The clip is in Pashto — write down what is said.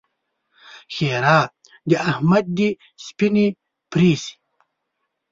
ښېرا: د احمد دې سپينې پرې شي!